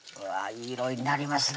いい色になりますね